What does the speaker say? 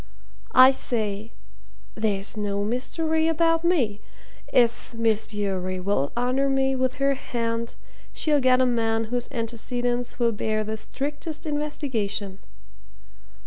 I say there's no mystery about me. If Miss Bewery will honour me with her hand, she'll get a man whose antecedents will bear the strictest investigation."